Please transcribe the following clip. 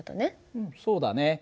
うんそうだね。